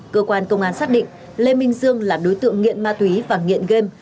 cơ quan công an xác định lê minh dương là đối tượng nghiện ma túy và nghiện game